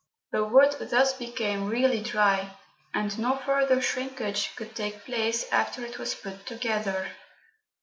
The wood thus became really dry, and no further shrinkage could take place after it was put together.